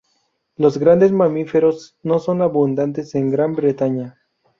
Los grandes mamíferos no son abundantes en Gran Bretaña.